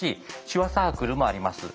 手話サークルもあります。